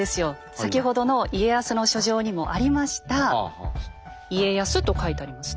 先ほどの家康の書状にもありました「家康」と書いてありますね。